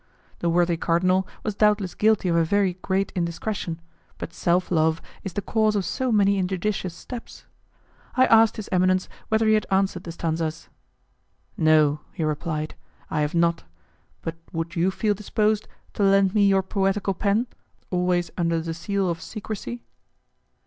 The worthy cardinal was doubtless guilty of a very great indiscretion, but self love is the cause of so many injudicious steps! I asked his eminence whether he had answered the stanzas. "No," he replied, "I have not; but would you feel disposed to lend me your poetical pen, always under the seal of secrecy?"